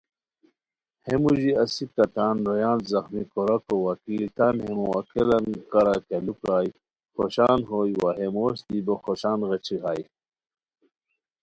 ہے موژی اسیکا تان رویان زخمی کوراکو وکیل تان ہے موکلان کارا کیہ لُو پرائے، خوشان ہوئے وا ہے موش دی بوخوشان غیچی ہائے